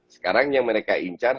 sekarang yang mereka incarnate